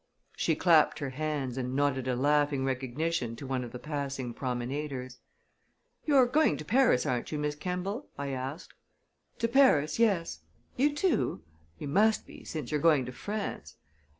She clapped her hands, and nodded a laughing recognition to one of the passing promenaders. "You're going to Paris, aren't you, Miss Kemball?" I asked. "To Paris yes. You too? You must be, since you're going to France."